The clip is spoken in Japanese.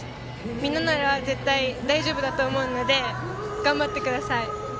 みんななら絶対大丈夫だと思うので頑張ってください！